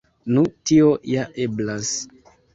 Nu, tio ja eblas.